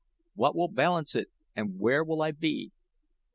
What will balance it, and where will I be?